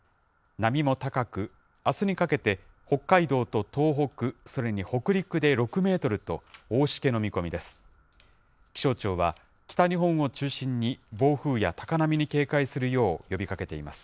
波も高く、あすにかけて北海道と東北、それに北陸で６メートルと、大しけの見込みです。